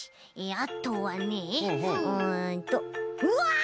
あとはねうんとうわっ！